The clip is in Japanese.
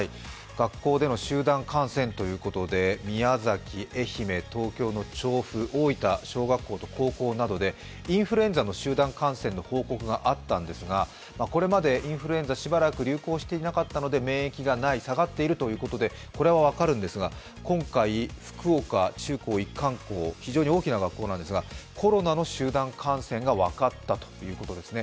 学校での集団感染ということで宮崎、愛媛、東京の調布、大分、小学校と高校などでインフルエンザの集団感染の報告があったんですがこれまでインフルエンザしばらく流行していなかったので免疫がない、下がっているということでこれは分かるんですが今回、福岡中高一貫校、非常に大きな学校なんですがコロナの集団感染が分かったということですね。